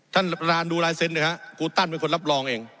ท่านประธานดูลายเซ็นต์ครูตั้นเป็นคนรับรองเอง